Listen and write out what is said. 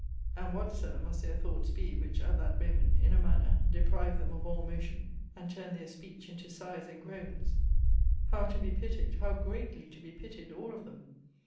And what, Sir, must their thoughts be, which, at that moment, in a manner, deprived them of all motion, and turned their speech into sighs and groans! How to be pitied, how greatly to be pitied! all of them!